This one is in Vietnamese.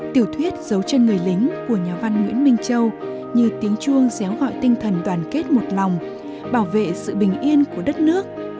tiểu thuyết dấu chân người lính của nhà văn nguyễn minh châu như tiếng chuông déo gọi tinh thần đoàn kết một lòng bảo vệ sự bình yên của đất nước